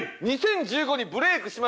「２０１５にブレークしまくり